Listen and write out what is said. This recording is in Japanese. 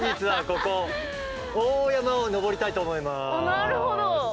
なるほど。